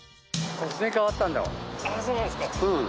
そうなんですか。